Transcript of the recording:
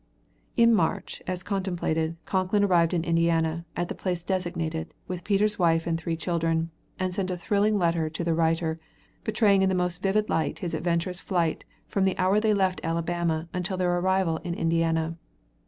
In March, as contemplated, Concklin arrived in Indiana, at the place designated, with Peter's wife and three children, and sent a thrilling letter to the writer, portraying in the most vivid light his adventurous flight from the hour they left Alabama until their arrival in Indiana.